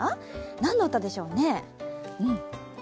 何の歌でしょうね。